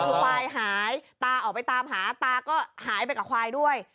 คือควายหายตาออกไปตามหาตาก็หายไปกับควายด้วย